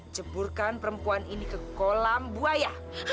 jeburkan perempuan ini ke kolam buaya